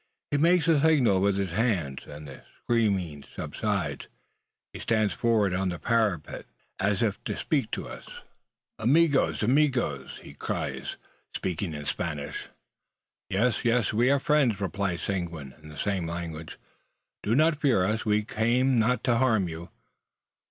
He makes a signal with his hands, and the screaming subsides. He stands forward on the parapet, as if to speak to us. "Amigos, amigos!" (friends!) cries he, speaking in Spanish. "Yes, yes; we are friends," replies Seguin, in the same language. "Do not fear us! We came not to harm you."